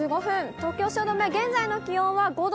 東京・汐留、現在の気温は５度。